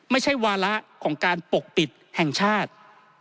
ไม่ใช่วาระของการปกปิดแห่งชาติ